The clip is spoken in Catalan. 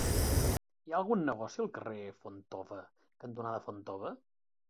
Hi ha algun negoci al carrer Fontova cantonada Fontova?